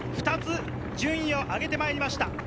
２つ順位を上げてきました。